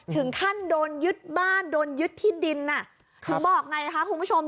ถึงขั้นโดนยึดบ้านโดนยึดที่ดินอ่ะถึงบอกไงคะคุณผู้ชม